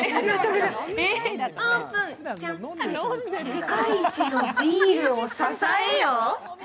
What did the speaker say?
世界一のビールを支えよ？